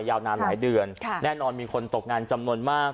ยาวนานหลายเดือนแน่นอนมีคนตกงานจำนวนมาก